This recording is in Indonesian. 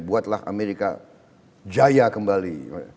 buatlah amerika jaya kembali